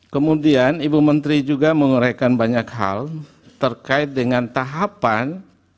kemudian ibu menteri juga menguraikan banyak hal terkait dengan tahapan